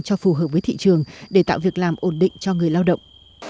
cho phù hợp với thị trường để tạo việc làm ổn định cho người lao động